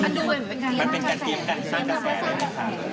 มันเป็นการเกียรติศาสตร์